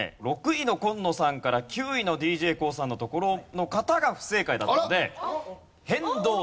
６位の紺野さんから９位のＤＪＫＯＯさんのところの方が不正解だったので。